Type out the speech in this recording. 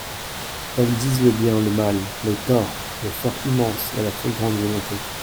Elles disent le bien, le mal, les torts, l'effort immense et la très grande volonté.